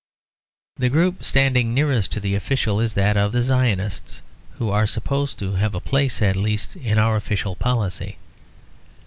The group standing nearest to the official is that of the Zionists; who are supposed to have a place at least in our official policy.